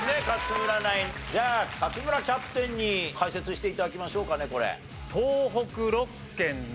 じゃあ勝村キャプテンに解説して頂きましょうかねこれ。